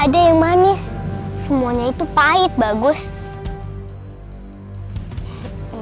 terus sakit sakit begini